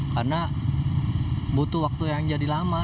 karena butuh waktu yang jadi lama